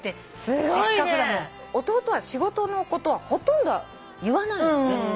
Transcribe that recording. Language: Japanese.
弟は仕事のことはほとんど言わないのね。